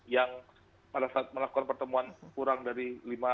yang pada saat melakukan pertemuan kurang dari lima